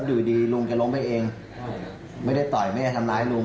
อยู่ดีลุงแกล้มไปเองไม่ได้ต่อยไม่ได้ทำร้ายลุง